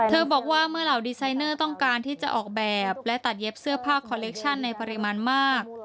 บอกว่าเมื่อเหล่าดีไซเนอร์ต้องการที่จะออกแบบและตัดเย็บเสื้อผ้าคอเลคชั่นในปริมาณมาก